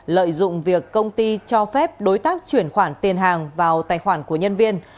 lợi dụng việc công ty cho phép đối tác chuyển khoản tiền hàng vào tài khoản của nhân viên